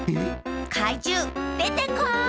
かいじゅうでてこい！